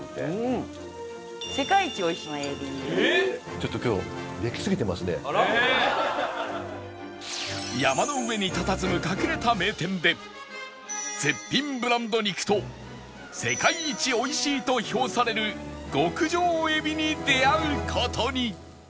ちょっと今日山の上にたたずむ隠れた名店で絶品ブランド肉と世界一美味しいと評される極上エビに出会う事に